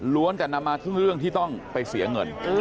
แต่นำมาซึ่งเรื่องที่ต้องไปเสียเงิน